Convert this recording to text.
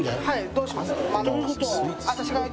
どうします？